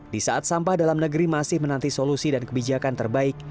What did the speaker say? di saat sampah dalam negeri masih menanti solusi dan kebijakan terbaik